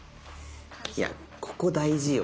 いやここ大事よ